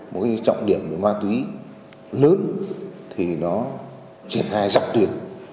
một cái trọng điểm về ma túy lớn thì nó triển hài rạc tuyển